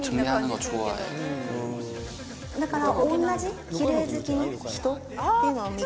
だから。